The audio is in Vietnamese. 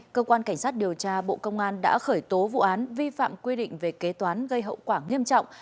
cơ quan cảnh sát điều tra bộ công an đã khởi tố vụ án vi phạm quy định về kế toán gây hậu quả nghiêm trọng